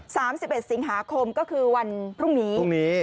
สามสิบเอ็ดสิงหาคมก็คือวันพรุ่งนี้พรุ่งนี้